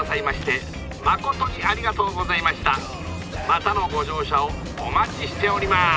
またのご乗車をお待ちしております！